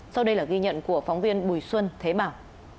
sau đây là ghi nhận của phóng viên bùi xuân thế bảo